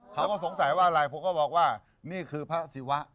เขาก็สงสัยว่าอะไรผมก็บอกว่านี่คือพระศิวะ